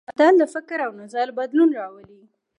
متل د فکر او نظر بدلون راولي